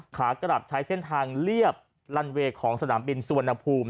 ขากลับใช้เส้นทางเรียบลันเวย์ของสนามบินสุวรรณภูมิ